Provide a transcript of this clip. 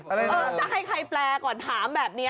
เออจะให้ใครแปลก่อนถามแบบนี้